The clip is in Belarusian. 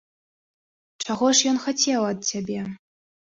Чаго ж ён хацеў ад цябе?